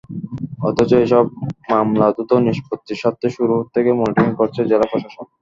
অথচ এসব মামলা দ্রুত নিষ্পত্তির স্বার্থে শুরু থেকে মনিটরিং করছে জেলা প্রশাসন।